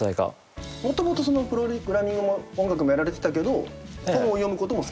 もともとそのプログラミングも音楽もやられてたけど本を読むことも好きだった？